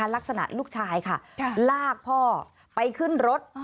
ลักษณะลูกชายค่ะลากพ่อไปขึ้นรถ